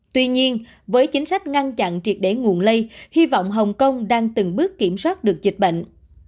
tuy nhiên với chính sách ngăn chặn triệt để nguồn lây hy vọng hồng kông đang từng bước kiểm soát được dịch bệnh